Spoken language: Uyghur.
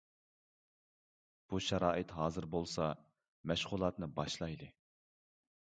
بۇ شارائىت ھازىر بولسا، مەشغۇلاتنى باشلايلى.